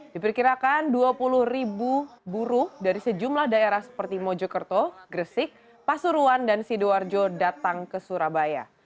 diperkirakan dua puluh ribu buruh dari sejumlah daerah seperti mojokerto gresik pasuruan dan sidoarjo datang ke surabaya